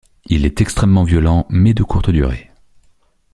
Il est extrêmement violent, mais de courte durée.